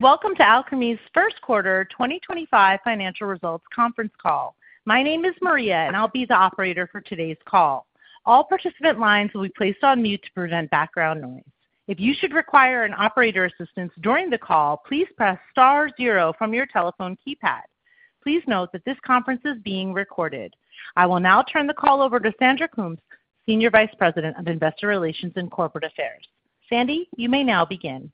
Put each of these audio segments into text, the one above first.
Welcome to Alkermes' First Quarter 2025 Financial Results Conference Call. My name is Maria, and I'll be the operator for today's call. All participant lines will be placed on mute to prevent background noise. If you should require operator assistance during the call, please press star zero from your telephone keypad. Please note that this conference is being recorded. I will now turn the call over to Sandra Coombs, Senior Vice President of Investor Relations and Corporate Affairs. Sandy, you may now begin.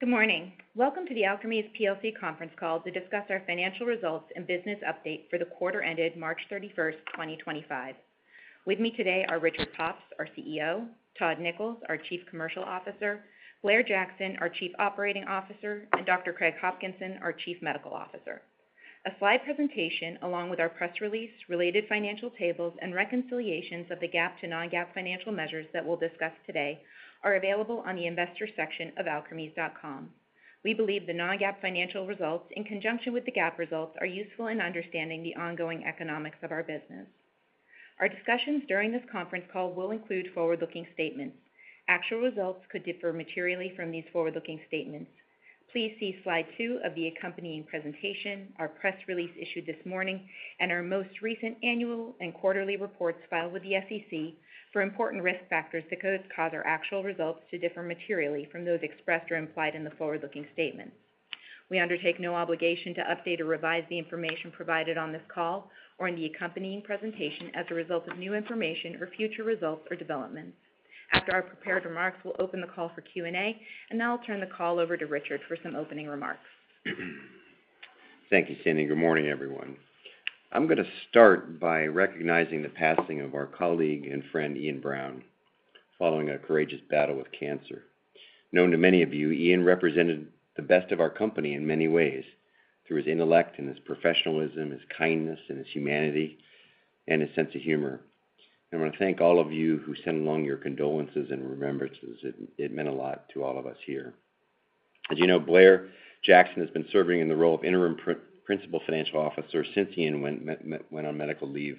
Good morning. Welcome to the Alkermes Plc Conference Call to discuss our financial results and business update for the quarter ended March 31st, 2025. With me today are Richard Pops, our CEO; Todd Nichols, our Chief Commercial Officer; Blair Jackson, our Chief Operating Officer; and Dr. Craig Hopkinson, our Chief Medical Officer. A slide presentation, along with our press release, related financial tables, and reconciliations of the GAAP to non-GAAP financial measures that we'll discuss today are available on the investor section of alkermes.com. We believe the non-GAAP financial results, in conjunction with the GAAP results, are useful in understanding the ongoing economics of our business. Our discussions during this conference call will include forward-looking statements. Actual results could differ materially from these forward-looking statements. Please see slide two of the accompanying presentation, our press release issued this morning, and our most recent annual and quarterly reports filed with the SEC for important risk factors that could cause our actual results to differ materially from those expressed or implied in the forward-looking statement. We undertake no obligation to update or revise the information provided on this call or in the accompanying presentation as a result of new information or future results or developments. After our prepared remarks, we'll open the call for Q&A, and now I'll turn the call over to Richard for some opening remarks. Thank you, Sandy. Good morning, everyone. I'm going to start by recognizing the passing of our colleague and friend, Iain Brown, following a courageous battle with cancer. Known to many of you, Iain represented the best of our company in many ways through his intellect and his professionalism, his kindness, his humanity, and his sense of humor. I want to thank all of you who sent along your condolences and remembrances. It meant a lot to all of us here. As you know, Blair Jackson has been serving in the role of Interim Principal Financial Officer since he went on medical leave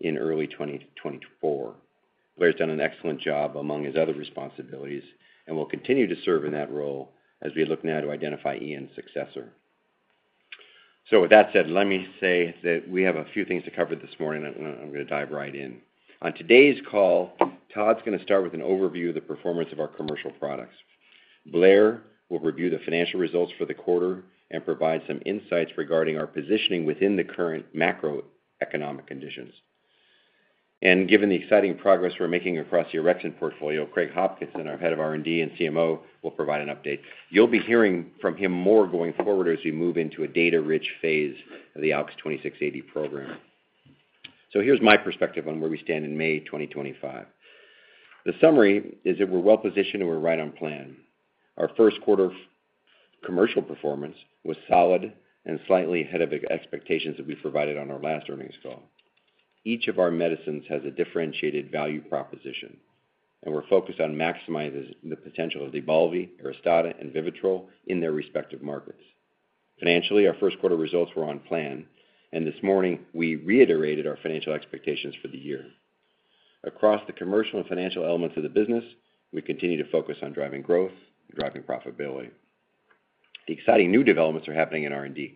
in early 2024. Blair's done an excellent job among his other responsibilities and will continue to serve in that role as we look now to identify Iain's successor. With that said, let me say that we have a few things to cover this morning, and I'm going to dive right in. On today's call, Todd's going to start with an overview of the performance of our commercial products. Blair will review the financial results for the quarter and provide some insights regarding our positioning within the current macroeconomic conditions. Given the exciting progress we're making across the orexin portfolio, Craig Hopkinson, our Head of R&D and CMO, will provide an update. You'll be hearing from him more going forward as we move into a data-rich phase of the ALKS 2680 program. Here's my perspective on where we stand in May 2025. The summary is that we're well positioned and we're right on plan. Our first quarter commercial performance was solid and slightly ahead of expectations that we provided on our last earnings call. Each of our medicines has a differentiated value proposition, and we're focused on maximizing the potential of LYBALVI, ARISTADA, and VIVITROL in their respective markets. Financially, our first quarter results were on plan, and this morning we reiterated our financial expectations for the year. Across the commercial and financial elements of the business, we continue to focus on driving growth and driving profitability. The exciting new developments are happening in R&D.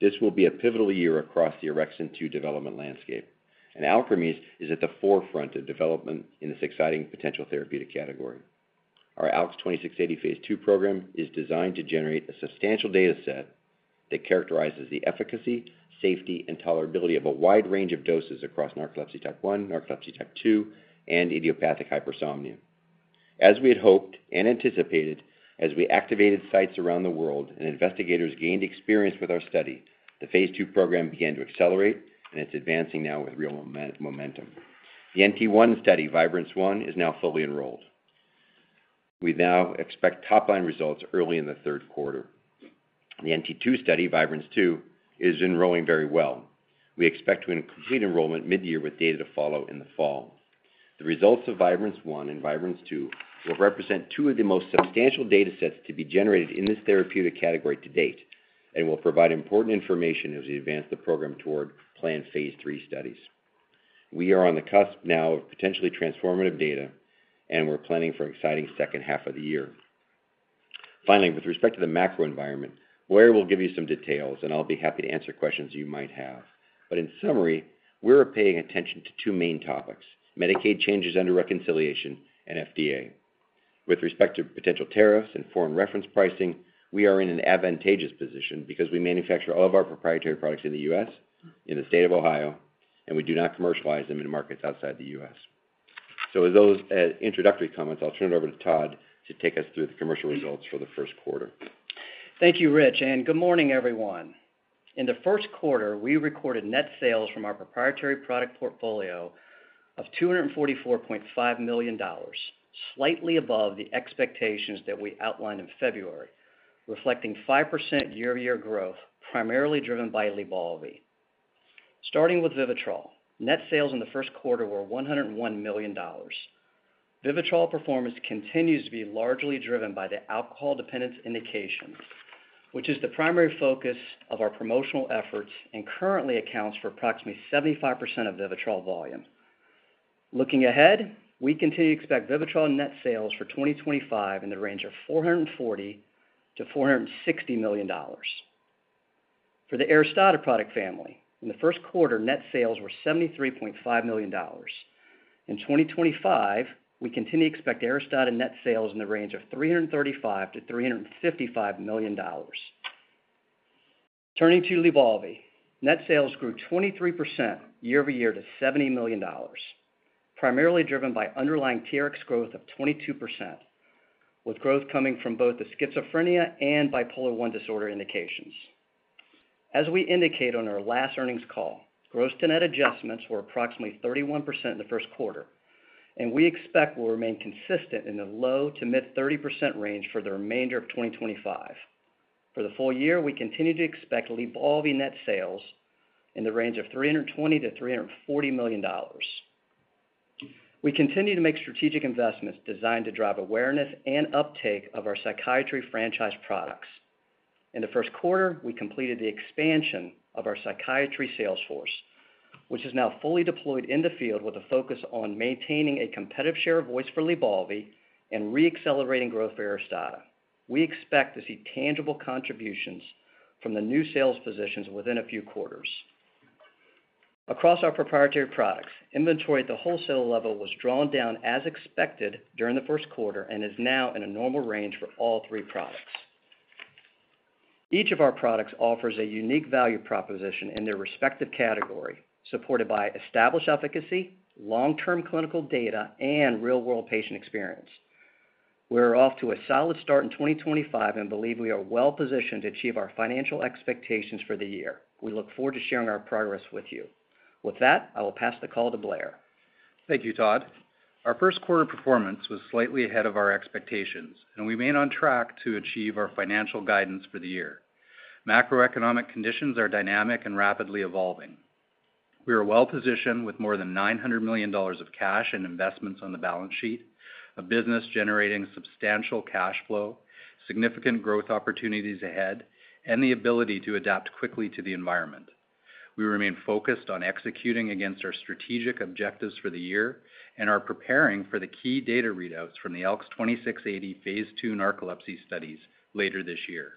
This will be a pivotal year across the orexin 2 development landscape, and Alkermes is at the forefront of development in this exciting potential therapeutic category. Our ALKS 2680 phase II program is designed to generate a substantial data set that characterizes the efficacy, safety, and tolerability of a wide range of doses across narcolepsy type 1, narcolepsy type 2, and idiopathic hypersomnia. As we had hoped and anticipated, as we activated sites around the world and investigators gained experience with our study, the phase II program began to accelerate, and it's advancing now with real momentum. The NT1 study, Vibrance-1, is now fully enrolled. We now expect top-line results early in the third quarter. The NT2 study, Vibrance-2, is enrolling very well. We expect to complete enrollment mid-year with data to follow in the fall. The results of Vibrance-1 and Vibrance-2 will represent two of the most substantial data sets to be generated in this therapeutic category to date and will provide important information as we advance the program toward planned phase III studies. We are on the cusp now of potentially transformative data, and we're planning for an exciting second half of the year. Finally, with respect to the macro environment, Blair will give you some details, and I'll be happy to answer questions you might have. In summary, we're paying attention to two main topics: Medicaid changes under reconciliation and FDA. With respect to potential tariffs and foreign reference pricing, we are in an advantageous position because we manufacture all of our proprietary products in the U.S., in the state of Ohio, and we do not commercialize them in markets outside the U.S. With those introductory comments, I'll turn it over to Todd to take us through the commercial results for the first quarter. Thank you, Rich, and good morning, everyone. In the first quarter, we recorded net sales from our proprietary product portfolio of $244.5 million, slightly above the expectations that we outlined in February, reflecting 5% year-to-year growth, primarily driven by LYBALVI. Starting with VIVITROL, net sales in the first quarter were $101 million. VIVITROL performance continues to be largely driven by the alcohol dependence indication, which is the primary focus of our promotional efforts and currently accounts for approximately 75% of VIVITROL volume. Looking ahead, we continue to expect VIVITROL net sales for 2025 in the range of $440 million-$460 million. For the ARISTADA product family, in the first quarter, net sales were $73.5 million. In 2025, we continue to expect ARISTADA net sales in the range of $335 million-$355 million. Turning to LYBALVI, net sales grew 23% year-over-year to $70 million, primarily driven by underlying TRX growth of 22%, with growth coming from both the schizophrenia and bipolar I disorder indications. As we indicated on our last earnings call, gross to net adjustments were approximately 31% in the first quarter, and we expect will remain consistent in the low to mid-30% range for the remainder of 2024. For the full year, we continue to expect LYBALVI net sales in the range of $320 million-$340 million. We continue to make strategic investments designed to drive awareness and uptake of our psychiatry franchise products. In the first quarter, we completed the expansion of our psychiatry sales force, which is now fully deployed in the field with a focus on maintaining a competitive share of voice for LYBALVI and re-accelerating growth for ARISTADA. We expect to see tangible contributions from the new sales positions within a few quarters. Across our proprietary products, inventory at the wholesale level was drawn down as expected during the first quarter and is now in a normal range for all three products. Each of our products offers a unique value proposition in their respective category, supported by established efficacy, long-term clinical data, and real-world patient experience. We're off to a solid start in 2025 and believe we are well positioned to achieve our financial expectations for the year. We look forward to sharing our progress with you. With that, I will pass the call to Blair. Thank you, Todd. Our first quarter performance was slightly ahead of our expectations, and we remain on track to achieve our financial guidance for the year. Macroeconomic conditions are dynamic and rapidly evolving. We are well positioned with more than $900 million of cash and investments on the balance sheet, a business generating substantial cash flow, significant growth opportunities ahead, and the ability to adapt quickly to the environment. We remain focused on executing against our strategic objectives for the year and are preparing for the key data readouts from the ALKS 2680 phase II narcolepsy studies later this year.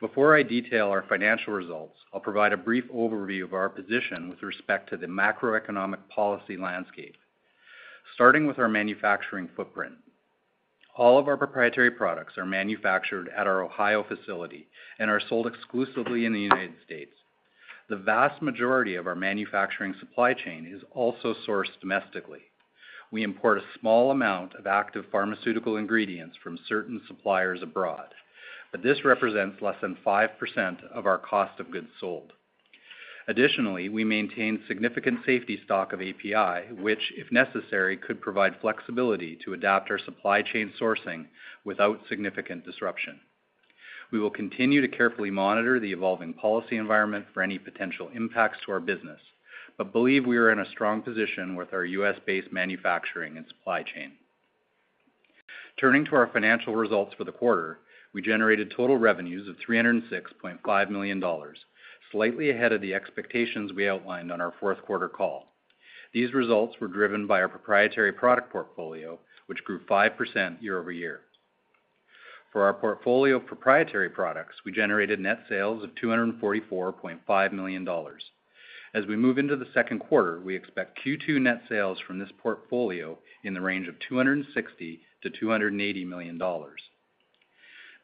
Before I detail our financial results, I'll provide a brief overview of our position with respect to the macroeconomic policy landscape, starting with our manufacturing footprint. All of our proprietary products are manufactured at our Ohio facility and are sold exclusively in the United States. The vast majority of our manufacturing supply chain is also sourced domestically. We import a small amount of active pharmaceutical ingredients from certain suppliers abroad, but this represents less than 5% of our cost of goods sold. Additionally, we maintain significant safety stock of API, which, if necessary, could provide flexibility to adapt our supply chain sourcing without significant disruption. We will continue to carefully monitor the evolving policy environment for any potential impacts to our business, but believe we are in a strong position with our U.S.-based manufacturing and supply chain. Turning to our financial results for the quarter, we generated total revenues of $306.5 million, slightly ahead of the expectations we outlined on our fourth quarter call. These results were driven by our proprietary product portfolio, which grew 5% year-over-year. For our portfolio of proprietary products, we generated net sales of $244.5 million. As we move into the second quarter, we expect Q2 net sales from this portfolio in the range of $260-$280 million.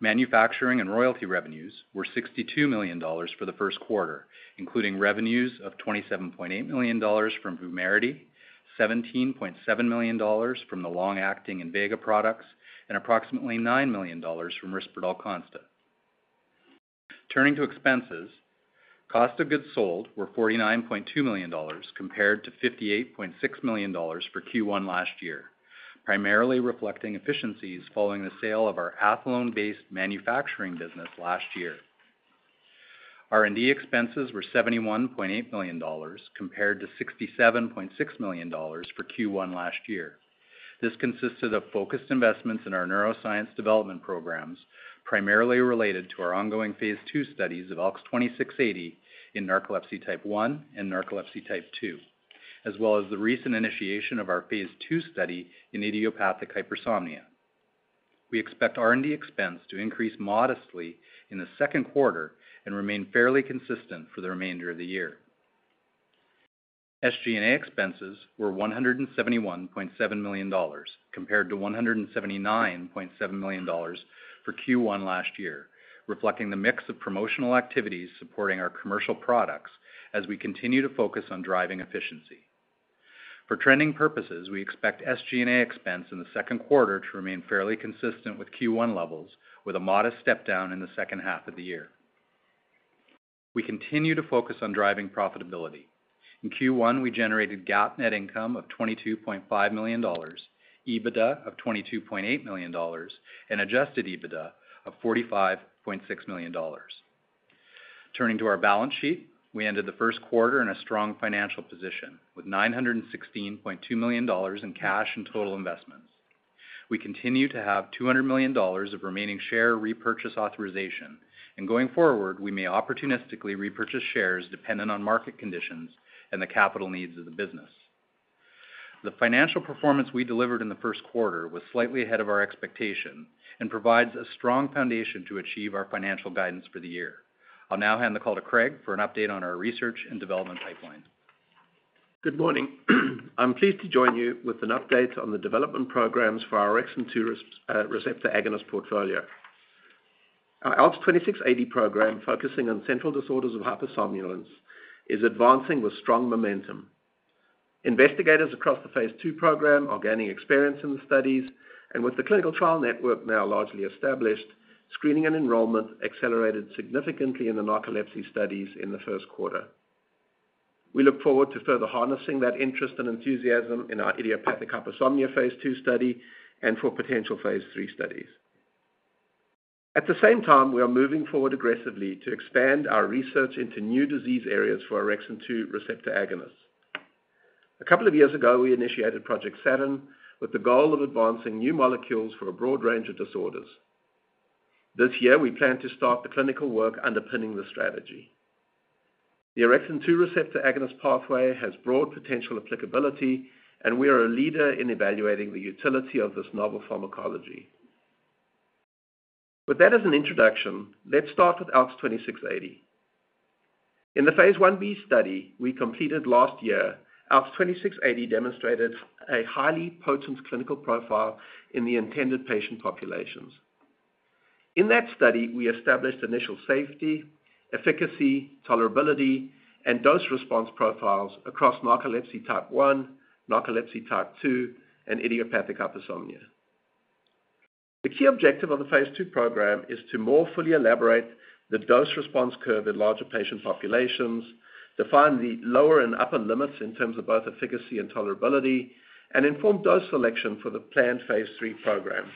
Manufacturing and royalty revenues were $62 million for the first quarter, including revenues of $27.8 million from VUMERITY, $17.7 million from the long-acting INVEGA products, and approximately $9 million from Risperdal Consta. Turning to expenses, cost of goods sold were $49.2 million compared to $58.6 million for Q1 last year, primarily reflecting efficiencies following the sale of our Athlone-based manufacturing business last year. R&D expenses were $71.8 million compared to $67.6 million for Q1 last year. This consisted of focused investments in our neuroscience development programs, primarily related to our ongoing phase II studies of ALKS 2680 in narcolepsy type 1 and narcolepsy type 2, as well as the recent initiation of our phase II study in idiopathic hypersomnia. We expect R&D expense to increase modestly in the second quarter and remain fairly consistent for the remainder of the year. SG&A expenses were $171.7 million compared to $179.7 million for Q1 last year, reflecting the mix of promotional activities supporting our commercial products as we continue to focus on driving efficiency. For trending purposes, we expect SG&A expense in the second quarter to remain fairly consistent with Q1 levels, with a modest step down in the second half of the year. We continue to focus on driving profitability. In Q1, we generated GAAP net income of $22.5 million, EBITDA of $22.8 million, and adjusted EBITDA of $45.6 million. Turning to our balance sheet, we ended the first quarter in a strong financial position with $916.2 million in cash and total investments. We continue to have $200 million of remaining share repurchase authorization, and going forward, we may opportunistically repurchase shares dependent on market conditions and the capital needs of the business. The financial performance we delivered in the first quarter was slightly ahead of our expectation and provides a strong foundation to achieve our financial guidance for the year. I'll now hand the call to Craig for an update on our research and development pipeline. Good morning. I'm pleased to join you with an update on the development programs for our orexin 2 receptor agonist portfolio. Our ALKS 2680 program, focusing on central disorders of hypersomnolence, is advancing with strong momentum. Investigators across the phase II program are gaining experience in the studies, and with the clinical trial network now largely established, screening and enrollment accelerated significantly in the narcolepsy studies in the first quarter. We look forward to further harnessing that interest and enthusiasm in our idiopathic hypersomnia phase II study and for potential phase III studies. At the same time, we are moving forward aggressively to expand our research into new disease areas for orexin 2 receptor agonists. A couple of years ago, we initiated Project Saturn with the goal of advancing new molecules for a broad range of disorders. This year, we plan to start the clinical work underpinning the strategy. The orexin 2 receptor agonist pathway has broad potential applicability, and we are a leader in evaluating the utility of this novel pharmacology. With that as an introduction, let's start with ALKS 2680. In the phase I-B study we completed last year, ALKS 2680 demonstrated a highly potent clinical profile in the intended patient populations. In that study, we established initial safety, efficacy, tolerability, and dose response profiles across narcolepsy type 1, narcolepsy type 2, and idiopathic hypersomnia. The key objective of the phase II program is to more fully elaborate the dose response curve in larger patient populations, define the lower and upper limits in terms of both efficacy and tolerability, and inform dose selection for the planned phase III program.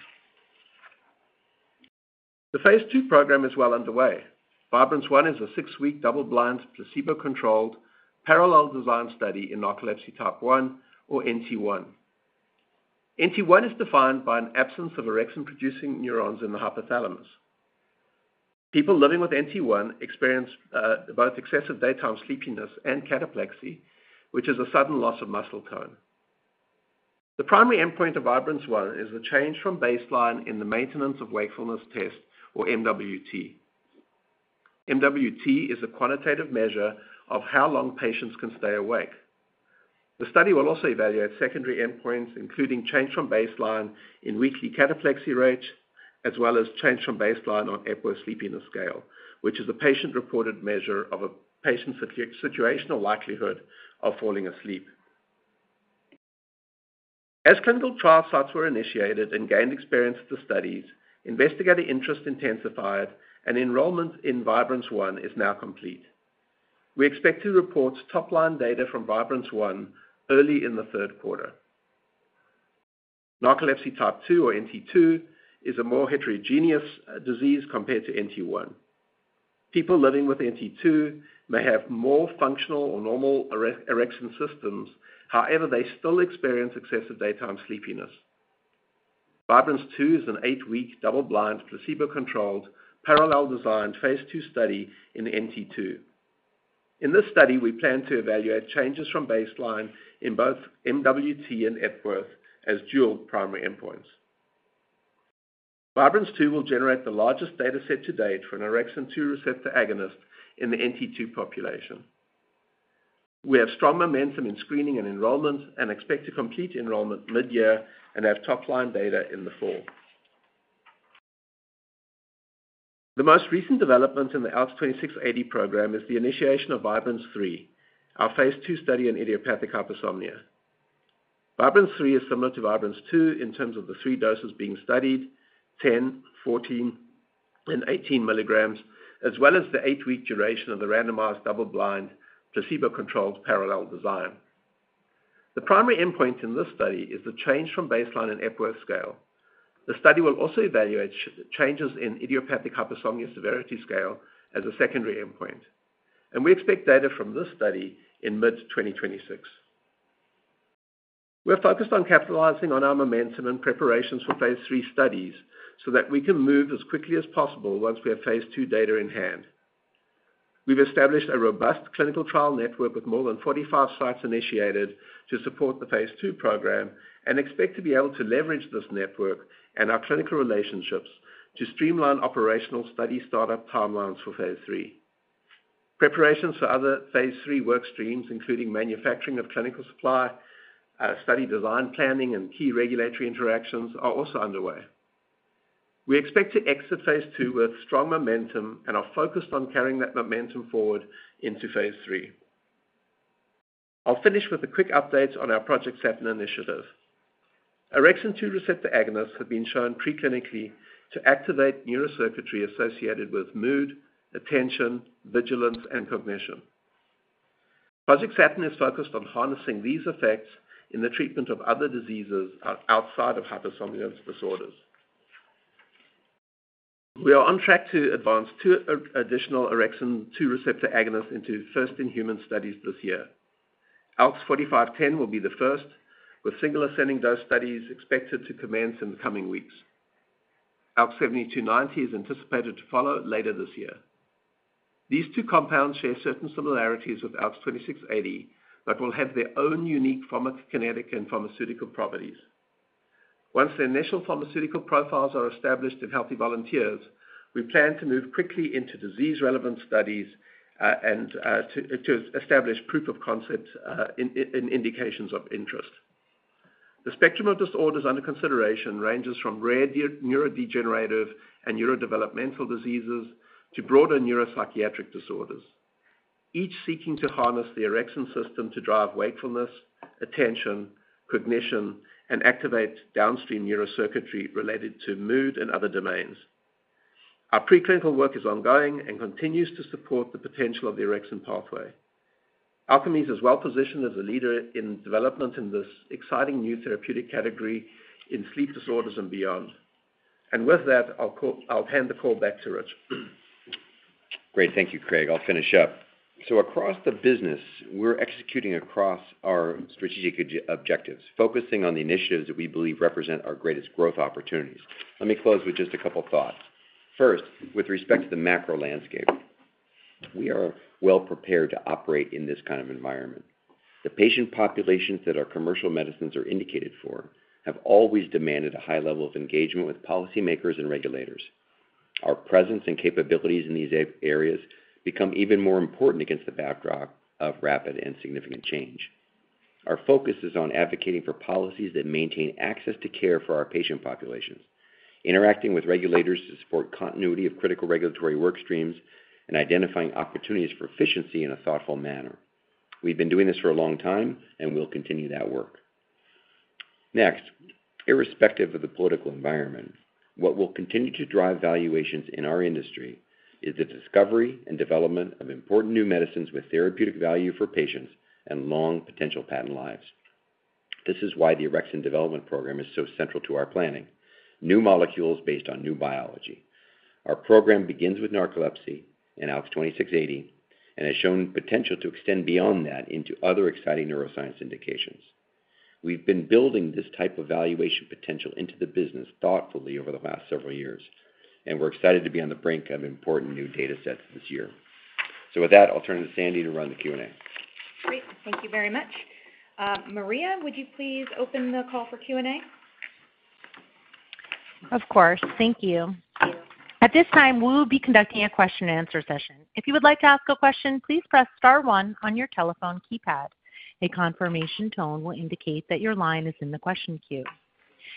The phase II program is well underway. Vibrance-1 is a six-week double-blind, placebo-controlled, parallel design study in narcolepsy type 1 or NT1. NT1 is defined by an absence of orexin-producing neurons in the hypothalamus. People living with NT1 experience both excessive daytime sleepiness and cataplexy, which is a sudden loss of muscle tone. The primary endpoint of Vibrance-1 is the change from baseline in the Maintenance of Wakefulness Test or MWT. MWT is a quantitative measure of how long patients can stay awake. The study will also evaluate secondary endpoints, including change from baseline in weekly cataplexy rate, as well as change from baseline on Epworth Sleepiness Scale, which is a patient-reported measure of a patient's situational likelihood of falling asleep. As clinical trial sites were initiated and gained experience to studies, investigator interest intensified, and enrollment in Vibrance-1 is now complete. We expect to report top-line data from Vibrance-1 early in the third quarter. Narcolepsy type 2 or NT2 is a more heterogeneous disease compared to NT1. People living with NT2 may have more functional or normal orexin systems; however, they still experience excessive daytime sleepiness. Vibrance-2 is an eight-week double-blind, placebo-controlled, parallel designed phase 2 study in NT2. In this study, we plan to evaluate changes from baseline in both MWT and Epworth as dual primary endpoints. Vibrance-2 will generate the largest data set to date for an orexin 2 receptor agonist in the NT2 population. We have strong momentum in screening and enrollment and expect to complete enrollment mid-year and have top-line data in the fall. The most recent development in the ALKS 2680 program is the initiation of Vibrance-3, our phase II study in idiopathic hypersomnia. Vibrance-3 is similar to Vibrance-2 in terms of the three doses being studied: 10, 14, and 18 mg, as well as the eight-week duration of the randomized double-blind, placebo-controlled parallel design. The primary endpoint in this study is the change from baseline in Epworth Scale. The study will also evaluate changes in idiopathic hypersomnia severity scale as a secondary endpoint, and we expect data from this study in mid-2026. We're focused on capitalizing on our momentum and preparations for phase III studies so that we can move as quickly as possible once we have phase two data in hand. We've established a robust clinical trial network with more than 45 sites initiated to support the phase two program and expect to be able to leverage this network and our clinical relationships to streamline operational study startup timelines for phase three. Preparations for other phase three work streams, including manufacturing of clinical supply, study design planning, and key regulatory interactions, are also underway. We expect to exit phase two with strong momentum and are focused on carrying that momentum forward into phase three. I'll finish with a quick update on our Project Saturn initiative. Orexin 2 receptor agonists have been shown preclinically to activate neurocircuitry associated with mood, attention, vigilance, and cognition. Project Saturn is focused on harnessing these effects in the treatment of other diseases outside of hypersomnolence disorders. We are on track to advance two additional orexin 2 receptor agonists into first-in-human studies this year. ALKS 4510 will be the first, with single ascending dose studies expected to commence in the coming weeks. ALKS 7290 is anticipated to follow later this year. These two compounds share certain similarities with ALKS 2680 but will have their own unique pharmacokinetic and pharmaceutical properties. Once the initial pharmaceutical profiles are established in healthy volunteers, we plan to move quickly into disease-relevant studies and to establish proof of concept in indications of interest. The spectrum of disorders under consideration ranges from rare neurodegenerative and neurodevelopmental diseases to broader neuropsychiatric disorders, each seeking to harness the orexin system to drive wakefulness, attention, cognition, and activate downstream neurocircuitry related to mood and other domains. Our preclinical work is ongoing and continues to support the potential of the orexin pathway. Alkermes is well positioned as a leader in development in this exciting new therapeutic category in sleep disorders and beyond. With that, I'll hand the call back to Rich. Great. Thank you, Craig. I'll finish up. Across the business, we're executing across our strategic objectives, focusing on the initiatives that we believe represent our greatest growth opportunities. Let me close with just a couple of thoughts. First, with respect to the macro landscape, we are well prepared to operate in this kind of environment. The patient populations that our commercial medicines are indicated for have always demanded a high level of engagement with policymakers and regulators. Our presence and capabilities in these areas become even more important against the backdrop of rapid and significant change. Our focus is on advocating for policies that maintain access to care for our patient populations, interacting with regulators to support continuity of critical regulatory work streams, and identifying opportunities for efficiency in a thoughtful manner. We've been doing this for a long time and will continue that work. Next, irrespective of the political environment, what will continue to drive valuations in our industry is the discovery and development of important new medicines with therapeutic value for patients and long potential patent lives. This is why the orexin development program is so central to our planning: new molecules based on new biology. Our program begins with narcolepsy in ALKS 2680 and has shown potential to extend beyond that into other exciting neuroscience indications. We've been building this type of valuation potential into the business thoughtfully over the last several years, and we're excited to be on the brink of important new data sets this year. With that, I'll turn it to Sandy to run the Q&A. Great. Thank you very much. Maria, would you please open the call for Q&A? Of course. Thank you. Thank you. At this time, we will be conducting a question-and-answer session. If you would like to ask a question, please press star one on your telephone keypad. A confirmation tone will indicate that your line is in the question queue.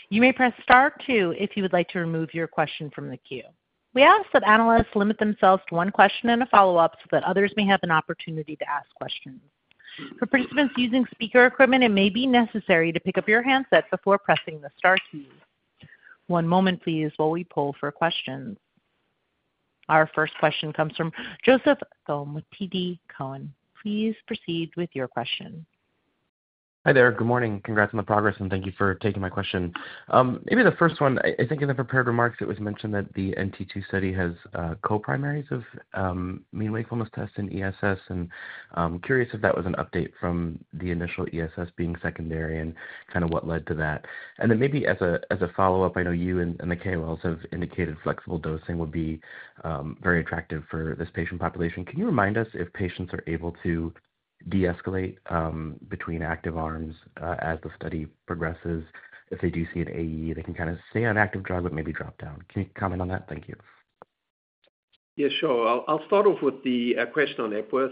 You may press star two if you would like to remove your question from the queue. We ask that analysts limit themselves to one question and a follow-up so that others may have an opportunity to ask questions. For participants using speaker equipment, it may be necessary to pick up your handset before pressing the Star key. One moment, please, while we pull for questions. Our first question comes from Joseph Thome with TD Cowen. Please proceed with your question. Hi there. Good morning. Congrats on the progress, and thank you for taking my question. Maybe the first one, I think in the prepared remarks, it was mentioned that the NT2 study has co-primary of Maintenance of Wakefulness Tests and ESS, and I'm curious if that was an update from the initial ESS being secondary and kind of what led to that. Maybe as a follow-up, I know you and the KOLs have indicated flexible dosing would be very attractive for this patient population. Can you remind us if patients are able to de-escalate between active arms as the study progresses? If they do see an AE, they can kind of stay on active drugs but maybe drop down. Can you comment on that? Thank you. Yeah, sure. I'll start off with the question on Epworth.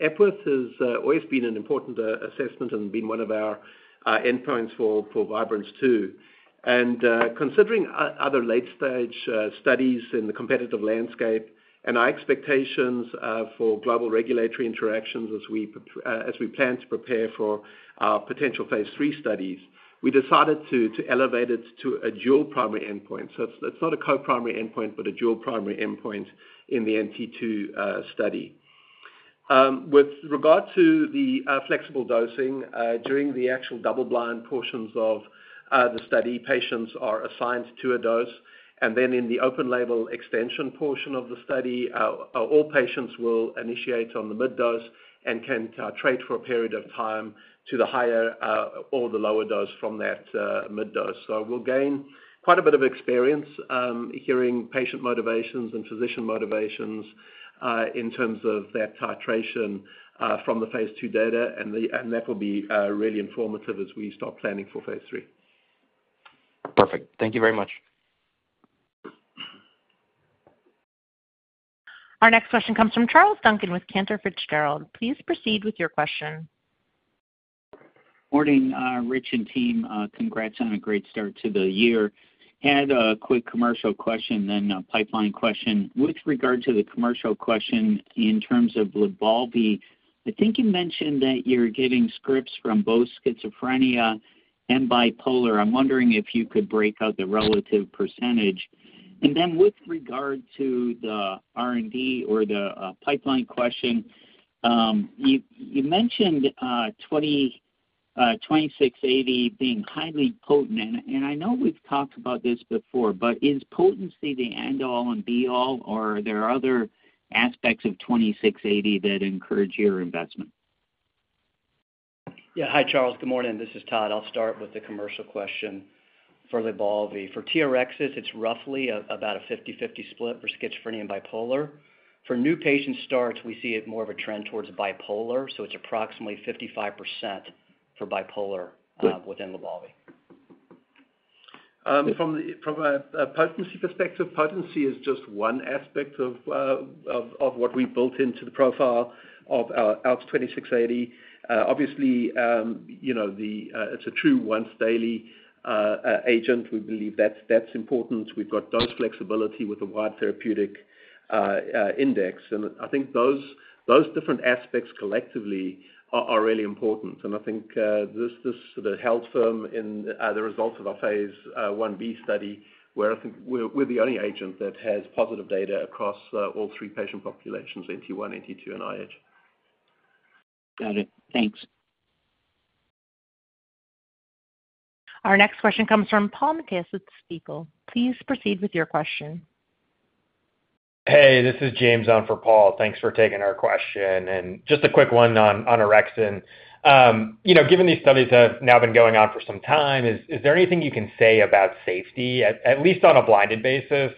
Epworth has always been an important assessment and been one of our endpoints for Vibrance-2. Considering other late-stage studies in the competitive landscape and our expectations for global regulatory interactions as we plan to prepare for our potential phase III studies, we decided to elevate it to a dual primary endpoint. It is not a co-primary endpoint but a dual primary endpoint in the NT2 study. With regard to the flexible dosing, during the actual double-blind portions of the study, patients are assigned to a dose, and then in the open-label extension portion of the study, all patients will initiate on the mid-dose and can titrate for a period of time to the higher or the lower dose from that mid-dose. We'll gain quite a bit of experience hearing patient motivations and physician motivations in terms of that titration from the phase two data, and that will be really informative as we start planning for phase three. Perfect. Thank you very much. Our next question comes from Charles Duncan with Cantor Fitzgerald. Please proceed with your question. Morning, Rich and team. Congrats on a great start to the year. I had a quick commercial question, then a pipeline question. With regard to the commercial question, in terms of LYBALVI, I think you mentioned that you're getting scripts from both schizophrenia and bipolar. I'm wondering if you could break out the relative percentage. With regard to the R&D or the pipeline question, you mentioned 2680 being highly potent, and I know we've talked about this before, but is potency the end-all and be-all, or are there other aspects of 2680 that encourage your investment? Yeah. Hi, Charles. Good morning. This is Todd. I'll start with the commercial question for LYBALVI. For TRXs, it's roughly about a 50/50 split for schizophrenia and bipolar. For new patient starts, we see more of a trend towards bipolar, so it's approximately 55% for bipolar within LYBALVI. From a potency perspective, potency is just one aspect of what we built into the profile of ALKS 2680. Obviously, it's a true once-daily agent. We believe that's important. We've got dose flexibility with the wide therapeutic index, and I think those different aspects collectively are really important. I think this sort of held firm in the results of our phase I-B study, where I think we're the only agent that has positive data across all three patient populations, NT1, NT2, and IH. Got it. Thanks. Our next question comes from Paul Matteis with Stifel. Please proceed with your question. Hey, this is James on for Paul. Thanks for taking our question. Just a quick one on orexin. Given these studies have now been going on for some time, is there anything you can say about safety, at least on a blinded basis?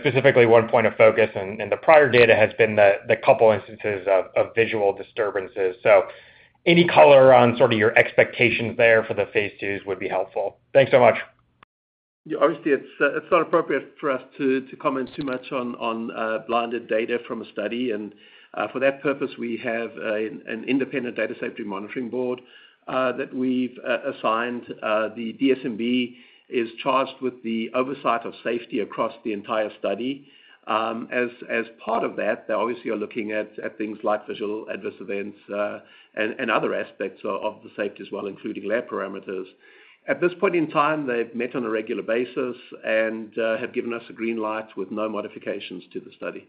Specifically, one point of focus in the prior data has been the couple instances of visual disturbances. Any color on sort of your expectations there for the phase IIs would be helpful. Thanks so much. Yeah. Obviously, it's not appropriate for us to comment too much on blinded data from a study. For that purpose, we have an independent Data Safety Monitoring Board that we've assigned. The DSMB is charged with the oversight of safety across the entire study. As part of that, they obviously are looking at things like visual adverse events and other aspects of the safety as well, including lab parameters. At this point in time, they've met on a regular basis and have given us a green light with no modifications to the study.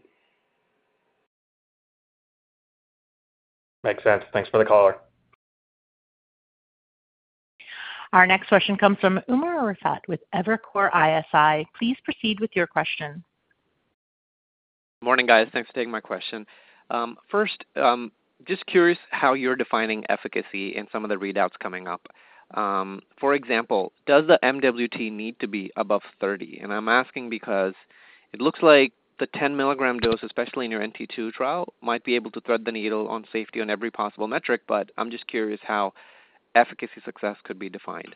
Makes sense. Thanks for the call. Our next question comes from Umer Raffat with Evercore ISI. Please proceed with your question. Morning, guys. Thanks for taking my question. First, just curious how you're defining efficacy in some of the readouts coming up. For example, does the MWT need to be above 30? I'm asking because it looks like the 10 mg dose, especially in your NT2 trial, might be able to thread the needle on safety on every possible metric, but I'm just curious how efficacy success could be defined.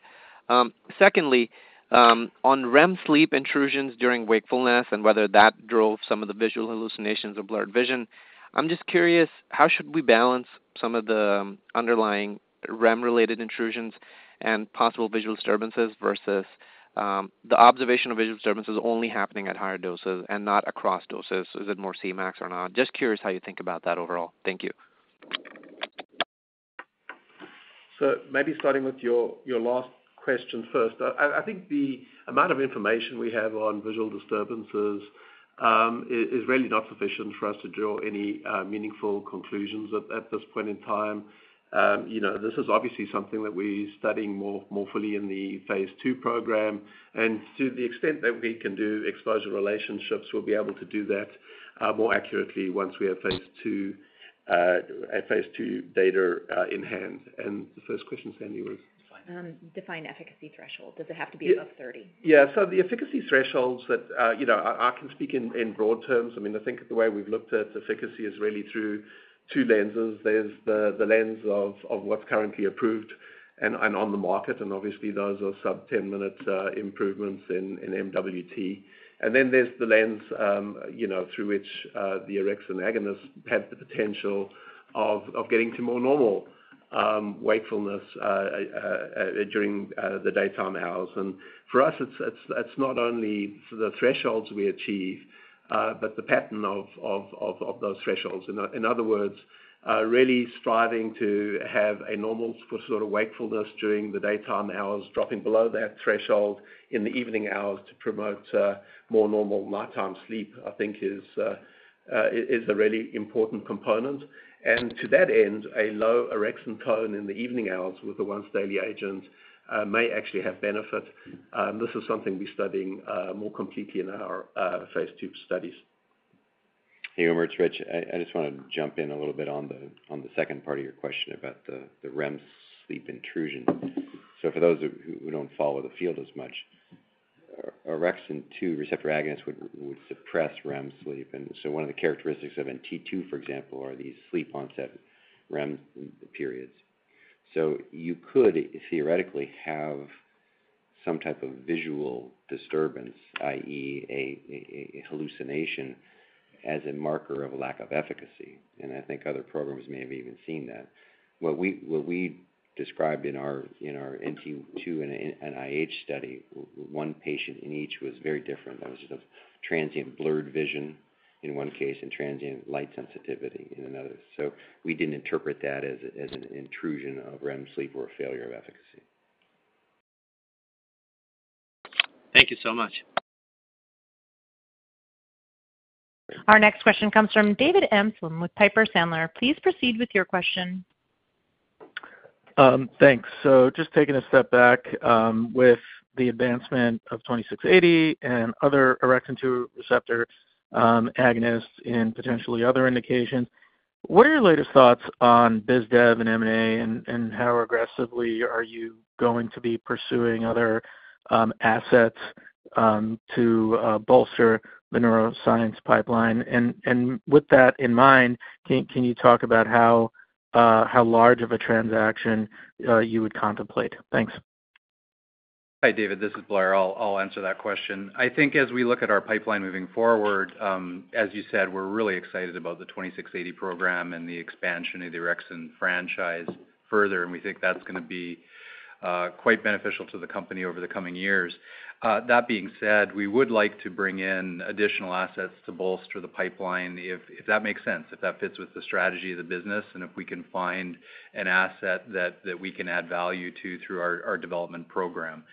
Secondly, on REM sleep intrusions during wakefulness and whether that drove some of the visual hallucinations or blurred vision, I'm just curious how should we balance some of the underlying REM-related intrusions and possible visual disturbances versus the observation of visual disturbances only happening at higher doses and not across doses? Is it more Cmax or not? Just curious how you think about that overall. Thank you. Maybe starting with your last question first. I think the amount of information we have on visual disturbances is really not sufficient for us to draw any meaningful conclusions at this point in time. This is obviously something that we're studying more fully in the phase II program. To the extent that we can do exposure relationships, we'll be able to do that more accurately once we have phase II data in hand. The first question, Sandy, was. Define efficacy threshold. Does it have to be above 30? Yeah. The efficacy thresholds that I can speak in broad terms. I mean, I think the way we've looked at efficacy is really through two lenses. There's the lens of what's currently approved and on the market, and obviously, those are sub-10-minute improvements in MWT. Then there's the lens through which the orexin agonist had the potential of getting to more normal wakefulness during the daytime hours. For us, it's not only the thresholds we achieve but the pattern of those thresholds. In other words, really striving to have a normal sort of wakefulness during the daytime hours, dropping below that threshold in the evening hours to promote more normal nighttime sleep, I think, is a really important component. To that end, a low orexin tone in the evening hours with the once-daily agent may actually have benefit. This is something we're studying more completely in our phase II studies. Hey, Umer. It's Rich. I just want to jump in a little bit on the second part of your question about the REM sleep intrusion. For those who don't follow the field as much, orexin 2 receptor agonists would suppress REM sleep. One of the characteristics of NT2, for example, are these sleep-onset REM periods. You could theoretically have some type of visual disturbance, i.e., a hallucination, as a marker of lack of efficacy. I think other programs may have even seen that. What we described in our NT2 and IH study, one patient in each was very different. There was just a transient blurred vision in one case and transient light sensitivity in another. We didn't interpret that as an intrusion of REM sleep or a failure of efficacy. Thank you so much. Our next question comes from David Amsellem with Piper Sandler. Please proceed with your question. Thanks. Just taking a step back with the advancement of 2680 and other orexin 2 receptor agonists and potentially other indications, what are your latest thoughts on BizDev and M&A, and how aggressively are you going to be pursuing other assets to bolster the neuroscience pipeline? With that in mind, can you talk about how large of a transaction you would contemplate? Thanks. Hi, David. This is Blair. I'll answer that question. I think as we look at our pipeline moving forward, as you said, we're really excited about the 2680 program and the expansion of the orexin franchise further, and we think that's going to be quite beneficial to the company over the coming years. That being said, we would like to bring in additional assets to bolster the pipeline if that makes sense, if that fits with the strategy of the business, and if we can find an asset that we can add value to through our development program.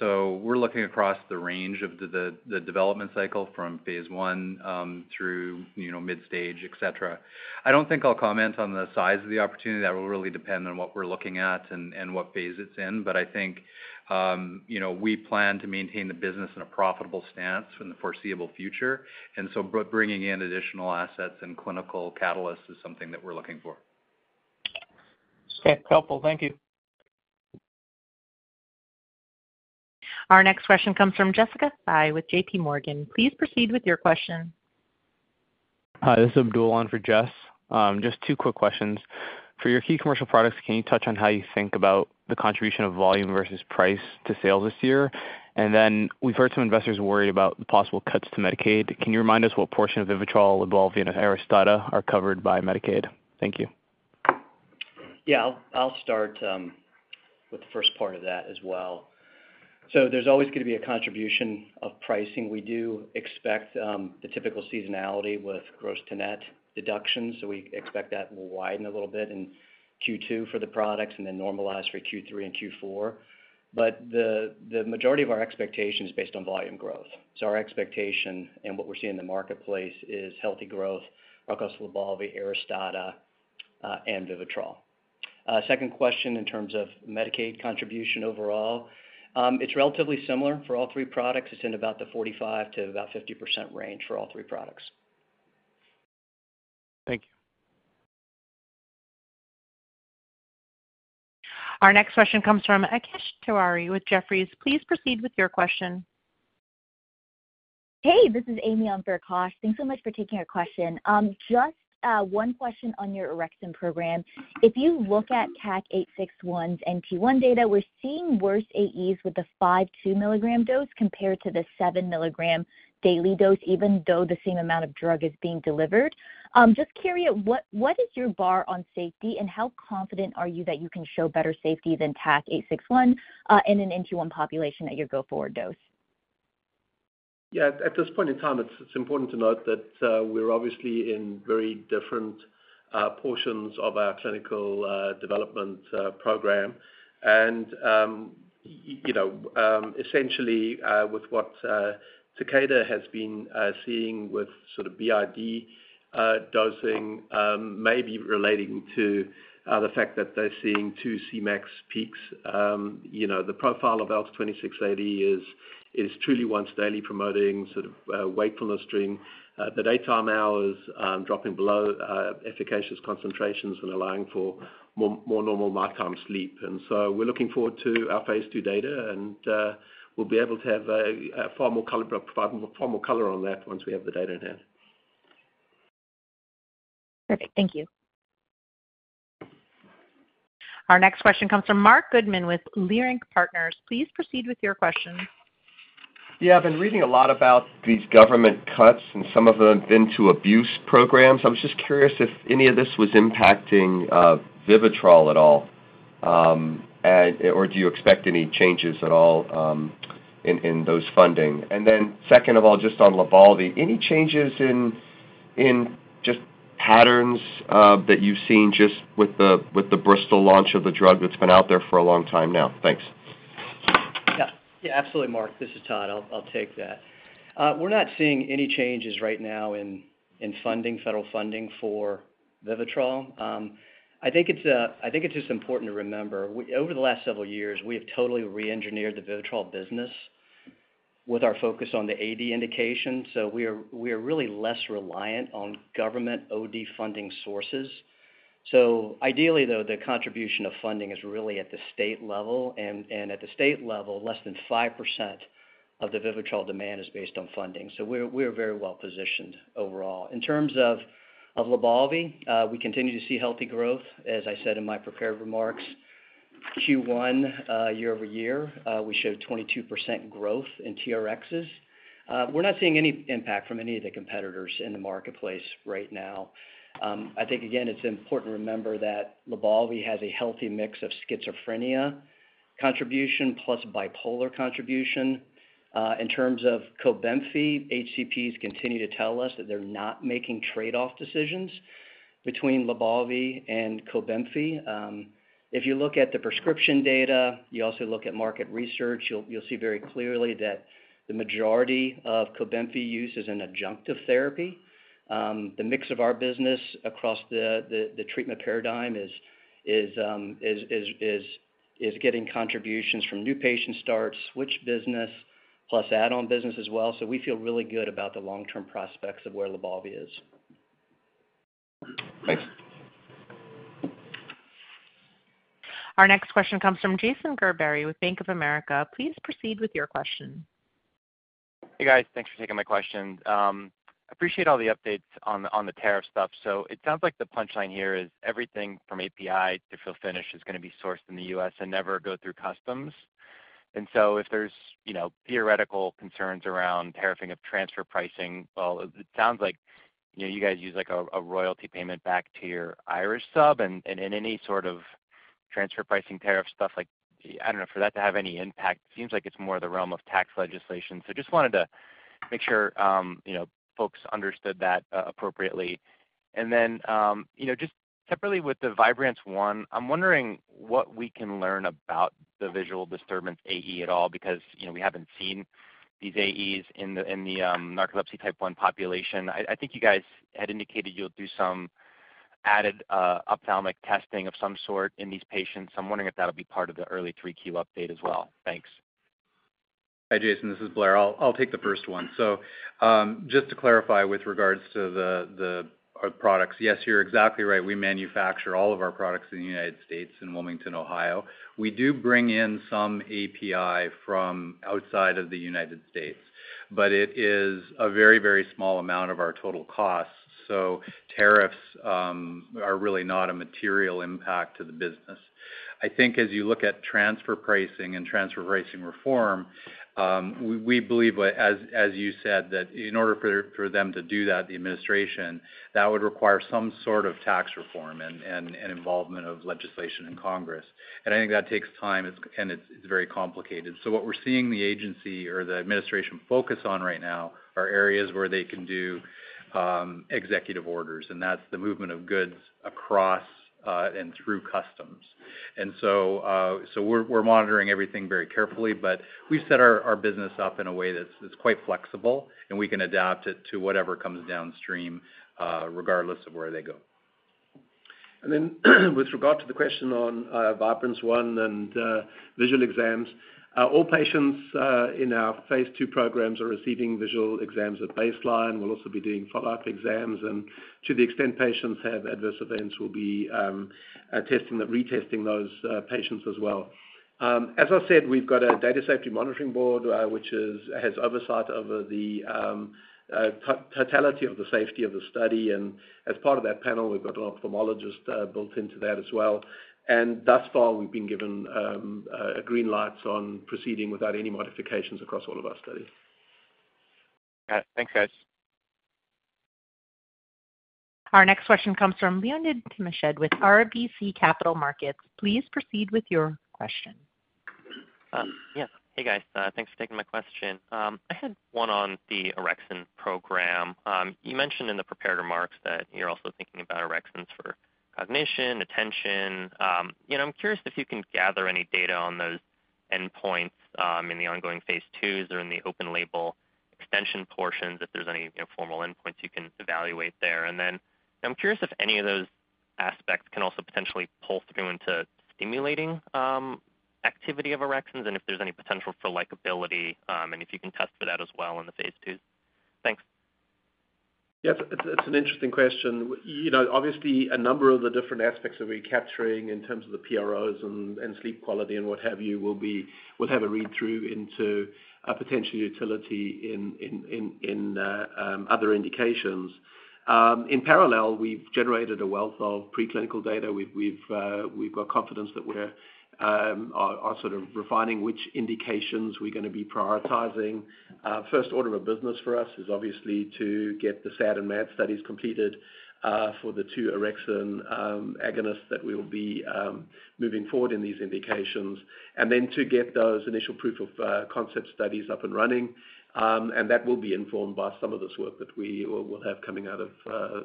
We're looking across the range of the development cycle from phase I through mid-stage, etc. I don't think I'll comment on the size of the opportunity. That will really depend on what we're looking at and what phase it's in, but I think we plan to maintain the business in a profitable stance in the foreseeable future. Bringing in additional assets and clinical catalysts is something that we're looking for. Okay, helpful. Thank you. Our next question comes from Jessica Fye with JPMorgan. Please proceed with your question. Hi. This is Abdul on for Jess. Just two quick questions. For your key commercial products, can you touch on how you think about the contribution of volume versus price to sales this year? We've heard some investors worried about the possible cuts to Medicaid. Can you remind us what portion of VIVITROL, LYBALVI and ARISTADA are covered by Medicaid? Thank you. Yeah. I'll start with the first part of that as well. There's always going to be a contribution of pricing. We do expect the typical seasonality with gross to net deductions, so we expect that will widen a little bit in Q2 for the products and then normalize for Q3 and Q4. The majority of our expectation is based on volume growth. Our expectation and what we're seeing in the marketplace is healthy growth across LYBALVI, ARISTADA, and VIVITROL. Second question in terms of Medicaid contribution overall, it's relatively similar for all three products. It's in about the 45%-50% range for all three products. Thank you. Our next question comes from Akash Tewari with Jefferies. Please proceed with your question. Hey, this is Amy on for Akash. Thanks so much for taking our question. Just one question on your orexin program. If you look at TAK-861's NT1 data, we're seeing worse AEs with the five 2 mg dose compared to the 7 mg daily dose, even though the same amount of drug is being delivered. Just curious, what is your bar on safety, and how confident are you that you can show better safety than TAK-861 in an NT1 population at your go-forward dose? Yeah. At this point in time, it's important to note that we're obviously in very different portions of our clinical development program. Essentially, with what Takeda has been seeing with sort of BID dosing, maybe relating to the fact that they're seeing two Cmax peaks, the profile of ALKS 2680 is truly once-daily promoting sort of wakefulness during the daytime hours, dropping below efficacious concentrations and allowing for more normal nighttime sleep. We're looking forward to our phase II data, and we'll be able to have far more color on that once we have the data in hand. Perfect. Thank you. Our next question comes from Marc Goodman with Leerink Partners. Please proceed with your question. Yeah. I've been reading a lot about these government cuts, and some of them have been to abuse programs. I was just curious if any of this was impacting VIVITROL at all, or do you expect any changes at all in those funding? Second of all, just on LYBALVI, any changes in just patterns that you've seen just with the Bristol launch of the drug that's been out there for a long time now? Thanks. Yeah. Yeah. Absolutely, Marc. This is Todd. I'll take that. We're not seeing any changes right now in federal funding for VIVITROL. I think it's just important to remember over the last several years, we have totally re-engineered the VIVITROL business with our focus on the AD indication. We are really less reliant on government OD funding sources. Ideally, though, the contribution of funding is really at the state level. At the state level, less than 5% of the VIVITROL demand is based on funding. We're very well positioned overall. In terms of LYBALVI, we continue to see healthy growth. As I said in my prepared remarks, Q1, year-over-year, we showed 22% growth in TRXs. We're not seeing any impact from any of the competitors in the marketplace right now. I think, again, it's important to remember that LYBALVI has a healthy mix of schizophrenia contribution plus bipolar contribution. In terms of COBENFY, HCPs continue to tell us that they're not making trade-off decisions between LYBALVI and COBENFY. If you look at the prescription data, you also look at market research, you'll see very clearly that the majority of COBENFY use is an adjunctive therapy. The mix of our business across the treatment paradigm is getting contributions from new patient starts, switch business, plus add-on business as well. We feel really good about the long-term prospects of where LYBALVI is. Thanks. Our next question comes from Jason Gerberry with Bank of America. Please proceed with your question. Hey, guys. Thanks for taking my question. I appreciate all the updates on the tariff stuff. It sounds like the punchline here is everything from API to fill-finish is going to be sourced in the U.S. and never go through customs. If there's theoretical concerns around tariffing of transfer pricing, it sounds like you guys use a royalty payment back to your Irish sub. In any sort of transfer pricing tariff stuff, I don't know, for that to have any impact, it seems like it's more the realm of tax legislation. I just wanted to make sure folks understood that appropriately. Just separately with the Vibrance-1, I'm wondering what we can learn about the visual disturbance AE at all because we haven't seen these AEs in the narcolepsy type 1 population. I think you guys had indicated you'll do some added ophthalmic testing of some sort in these patients. I'm wondering if that'll be part of the early 3Q update as well. Thanks. Hi, Jason. This is Blair. I'll take the first one. Just to clarify with regards to the products, yes, you're exactly right. We manufacture all of our products in the United States in Wilmington, Ohio. We do bring in some API from outside of the United States, but it is a very, very small amount of our total cost. Tariffs are really not a material impact to the business. I think as you look at transfer pricing and transfer pricing reform, we believe, as you said, that in order for them to do that, the administration, that would require some sort of tax reform and involvement of legislation in Congress. I think that takes time, and it's very complicated. What we are seeing the agency or the administration focus on right now are areas where they can do executive orders, and that is the movement of goods across and through customs. We are monitoring everything very carefully, but we have set our business up in a way that is quite flexible, and we can adapt it to whatever comes downstream regardless of where they go. With regard to the question on Vibrance-1 and visual exams, all patients in our phase II programs are receiving visual exams at baseline. We will also be doing follow-up exams. To the extent patients have adverse events, we will be testing and retesting those patients as well. As I said, we have a data safety monitoring board which has oversight over the totality of the safety of the study. As part of that panel, we have an ophthalmologist built into that as well. Thus far, we have been given green lights on proceeding without any modifications across all of our studies. Got it. Thanks, guys. Our next question comes from Leonid Timashev with RBC Capital Markets. Please proceed with your question. Yeah. Hey, guys. Thanks for taking my question. I had one on the orexin program. You mentioned in the prepared remarks that you're also thinking about orexins for cognition, attention. I'm curious if you can gather any data on those endpoints in the ongoing phase IIs or in the open label extension portions, if there's any formal endpoints you can evaluate there. I'm curious if any of those aspects can also potentially pull through into stimulating activity of orexins and if there's any potential for likability and if you can test for that as well in the phase IIs. Thanks. Yeah. It's an interesting question. Obviously, a number of the different aspects that we're capturing in terms of the PROs and sleep quality and what have you will have a read-through into potential utility in other indications. In parallel, we've generated a wealth of preclinical data. We've got confidence that we're sort of refining which indications we're going to be prioritizing. First order of business for us is obviously to get the SAD and MAD studies completed for the two orexin agonists that we will be moving forward in these indications, and then to get those initial proof of concept studies up and running. That will be informed by some of this work that we will have coming out of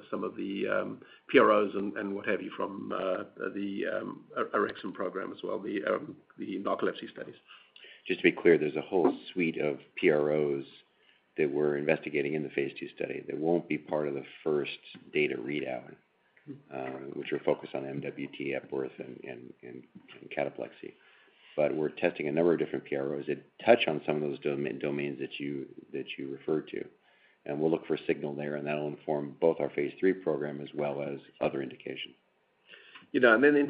some of the PROs and what have you from the orexin program as well, the narcolepsy studies. Just to be clear, there's a whole suite of PROs that we're investigating in the phase two study that won't be part of the first data readout, which are focused on MWT, Epworth, and cataplexy. We're testing a number of different PROs that touch on some of those domains that you referred to. We'll look for a signal there, and that'll inform both our phase three program as well as other indications. In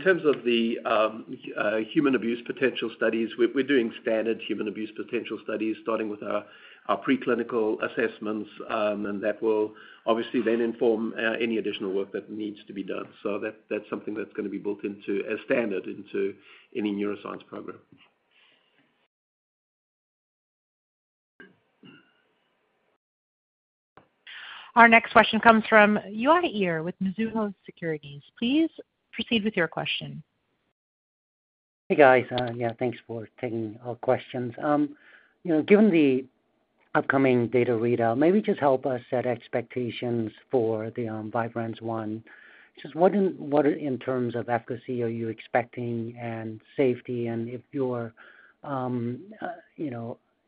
terms of the human abuse potential studies, we're doing standard human abuse potential studies starting with our preclinical assessments, and that will obviously then inform any additional work that needs to be done. That is something that's going to be built in as standard into any neuroscience program. Our next question comes from Uy Ear with Mizuho Securities. Please proceed with your question. Hey, guys. Yeah. Thanks for taking our questions. Given the upcoming data readout, maybe just help us set expectations for the Vibrance-1. Just what in terms of efficacy are you expecting and safety?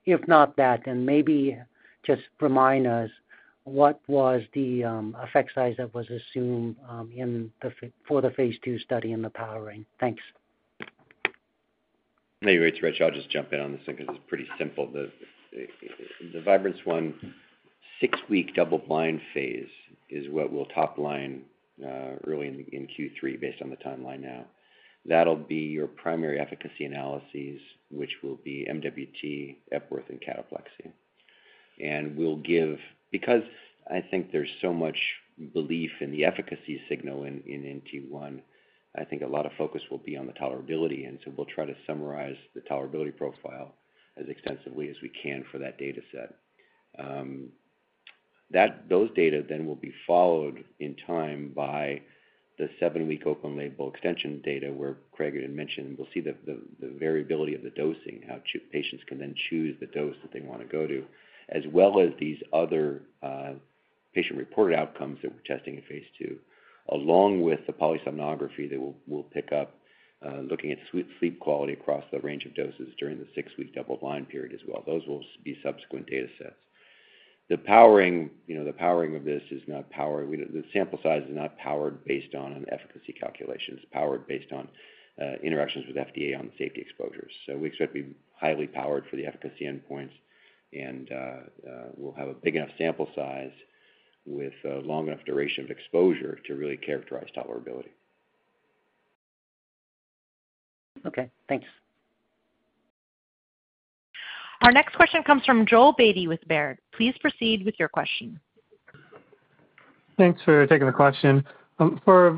If not that, then maybe just remind us what was the effect size that was assumed for the phase II study and the powering. Thanks. Hey, Richard. I'll just jump in on this thing because it's pretty simple. The Vibrance-1 six-week double-blind phase is what we'll top line early in Q3 based on the timeline now. That'll be your primary efficacy analyses, which will be MWT, Epworth, and cataplexy. I think there's so much belief in the efficacy signal in NT1, I think a lot of focus will be on the tolerability. We'll try to summarize the tolerability profile as extensively as we can for that data set. Those data then will be followed in time by the seven-week open label extension data where Craig had mentioned. We'll see the variability of the dosing, how patients can then choose the dose that they want to go to, as well as these other patient-reported outcomes that we're testing in phase II, along with the polysomnography that we'll pick up looking at sleep quality across the range of doses during the six-week double-blind period as well. Those will be subsequent data sets. The powering of this is not powered. The sample size is not powered based on an efficacy calculation. It's powered based on interactions with FDA on safety exposures. We expect to be highly powered for the efficacy endpoints, and we'll have a big enough sample size with a long enough duration of exposure to really characterize tolerability. Okay. Thanks. Our next question comes from Joel Beatty with Baird. Please proceed with your question. Thanks for taking the question. For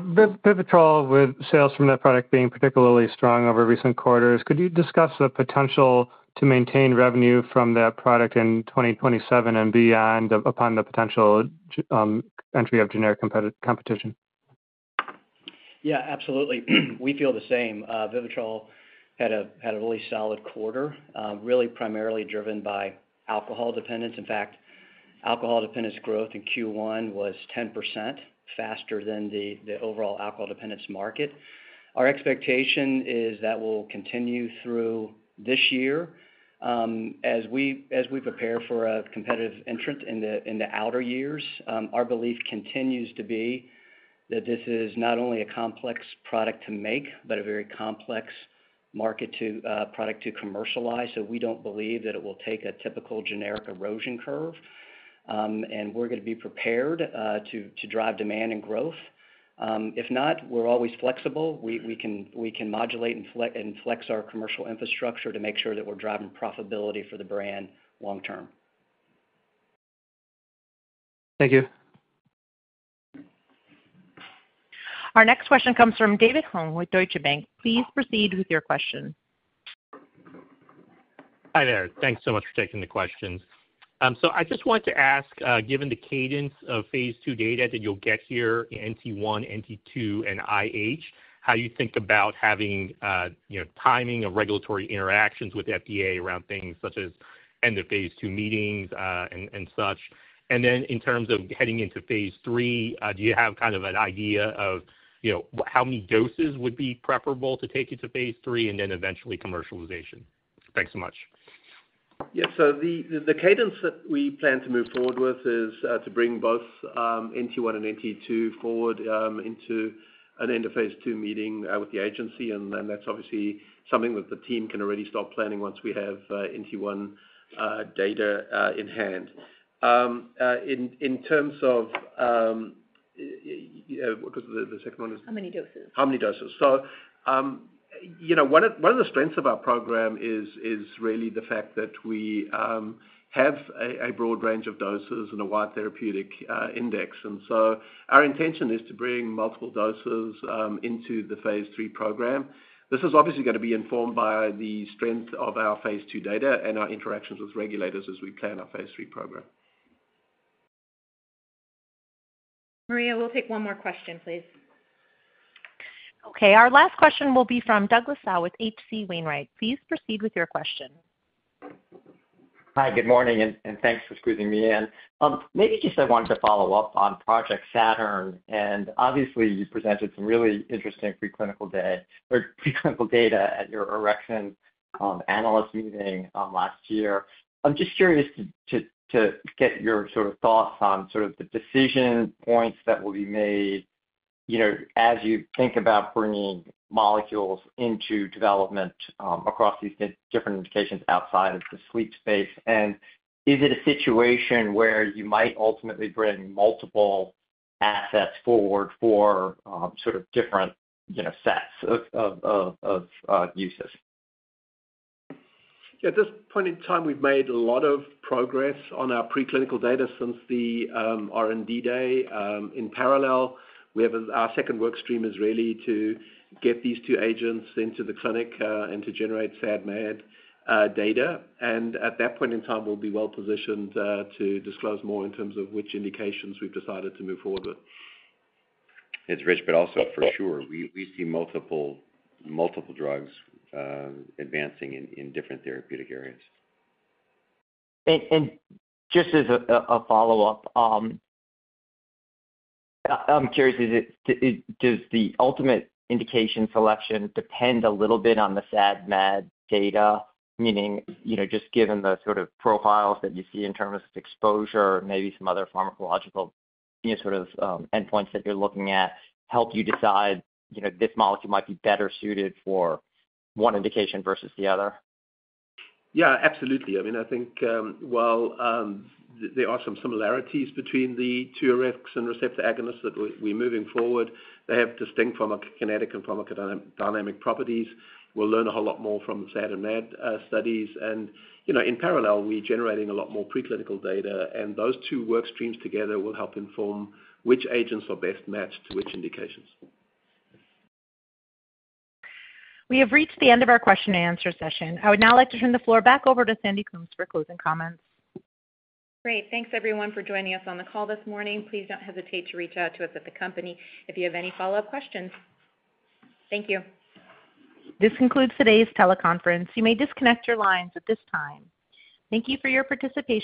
VIVITROL, with sales from that product being particularly strong over recent quarters, could you discuss the potential to maintain revenue from that product in 2027 and beyond upon the potential entry of generic competition? Yeah. Absolutely. We feel the same. VIVITROL had a really solid quarter, really primarily driven by alcohol dependence. In fact, alcohol dependence growth in Q1 was 10% faster than the overall alcohol dependence market. Our expectation is that will continue through this year. As we prepare for a competitive entrant in the outer years, our belief continues to be that this is not only a complex product to make, but a very complex product to commercialize. We do not believe that it will take a typical generic erosion curve. We are going to be prepared to drive demand and growth. If not, we are always flexible. We can modulate and flex our commercial infrastructure to make sure that we are driving profitability for the brand long-term. Thank you. Our next question comes from David Hoang with Deutsche Bank. Please proceed with your question. Hi there. Thanks so much for taking the questions. I just want to ask, given the cadence of phase II data that you'll get here, NT1, NT2, and IH, how you think about having timing of regulatory interactions with FDA around things such as end-of-phase II meetings and such. In terms of heading into phase three, do you have kind of an idea of how many doses would be preferable to take into phase three and then eventually commercialization? Thanks so much. Yeah. The cadence that we plan to move forward with is to bring both NT1 and NT2 forward into an end-of-phase II meeting with the agency. That's obviously something that the team can already start planning once we have NT1 data in hand. In terms of what was the second one? How many doses? How many doses? One of the strengths of our program is really the fact that we have a broad range of doses and a wide therapeutic index. Our intention is to bring multiple doses into the phase III program. This is obviously going to be informed by the strength of our phase II data and our interactions with regulators as we plan our phase III program. Maria, we'll take one more question, please. Okay. Our last question will be from Douglas Tsao with HC Wainwright. Please proceed with your question. Hi. Good morning. Thanks for squeezing me in. Maybe just I wanted to follow up on Project Saturn. Obviously, you presented some really interesting preclinical data at your analyst meeting last year. I'm just curious to get your sort of thoughts on sort of the decision points that will be made as you think about bringing molecules into development across these different indications outside of the sleep space. Is it a situation where you might ultimately bring multiple assets forward for sort of different sets of uses? Yeah. At this point in time, we've made a lot of progress on our preclinical data since the R&D Day. In parallel, our second workstream is really to get these two agents into the clinic and to generate SAD/MAD data. At that point in time, we'll be well positioned to disclose more in terms of which indications we've decided to move forward with. It's rich, but also for sure, we see multiple drugs advancing in different therapeutic areas. Just as a follow-up, I'm curious, does the ultimate indication selection depend a little bit on the SAD/MAD data, meaning just given the sort of profiles that you see in terms of exposure and maybe some other pharmacological sort of endpoints that you're looking at, help you decide this molecule might be better suited for one indication versus the other? Yeah. Absolutely. I mean, I think while there are some similarities between the two orexin receptor agonists that we're moving forward, they have distinct pharmacokinetic and pharmacodynamic properties. We'll learn a whole lot more from the SAD/MAD studies. In parallel, we're generating a lot more preclinical data. Those two workstreams together will help inform which agents are best matched to which indications. We have reached the end of our question-and-answer session. I would now like to turn the floor back over to Sandy Coombs for closing comments. Great. Thanks, everyone, for joining us on the call this morning. Please do not hesitate to reach out to us at the company if you have any follow-up questions. Thank you. This concludes today's teleconference. You may disconnect your lines at this time. Thank you for your participation.